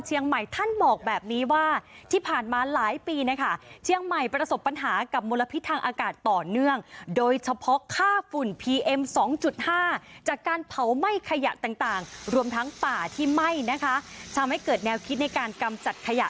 ที่ไหม้นะคะทำให้เกิดแนวคิดในการกำจัดขยะ